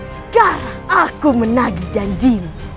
sekarang aku menagi janji